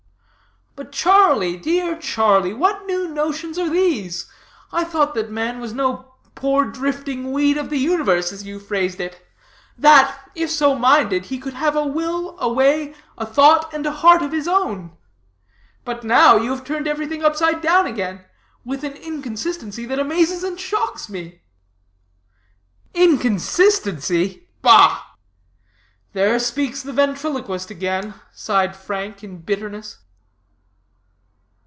"But Charlie, dear Charlie, what new notions are these? I thought that man was no poor drifting weed of the universe, as you phrased it; that, if so minded, he could have a will, a way, a thought, and a heart of his own? But now you have turned everything upside down again, with an inconsistency that amazes and shocks me." "Inconsistency? Bah!" "There speaks the ventriloquist again," sighed Frank, in bitterness.